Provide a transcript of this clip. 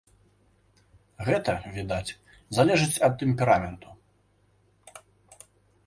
Гэта, відаць, залежыць ад тэмпераменту.